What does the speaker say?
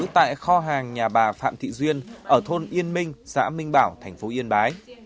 tại kho hàng nhà bà phạm thị duyên ở thôn yên minh xã minh bảo tp yên bái